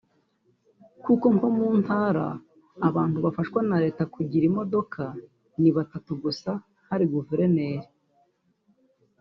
Kuko nko mu ntara abantu bafashwa na leta kugira imodoka ni batatu gusa; hari Guverineri